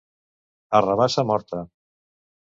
A rabassa morta.